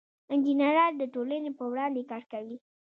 انجینران د ټولنې په وړاندې کار کوي.